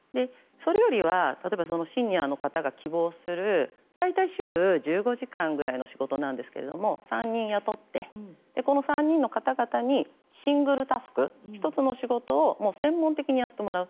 それよりは例えばシニアの方が希望する大体、週１５時間ぐらいの仕事なんですけども３人雇って、この３人の方々にシングルタスク、１つの仕事を専門的にやってもらう。